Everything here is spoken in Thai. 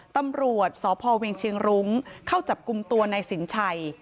ตำรวจสพเวียงเชียงรุ้งเข้าจับกลุ่มตัวในสินชัย